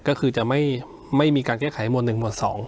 ก็คือจะไม่ไม่มีการแก้ไขหมวดหนึ่งหมวดสอง